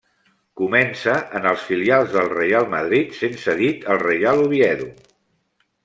Comença en els filials del Reial Madrid, sent cedit al Real Oviedo.